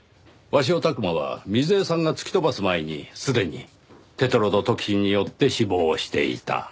鷲尾琢磨は瑞枝さんが突き飛ばす前にすでにテトロドトキシンによって死亡していた。